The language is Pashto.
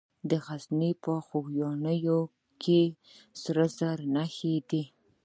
د غزني په خوږیاڼو کې د سرو زرو نښې شته.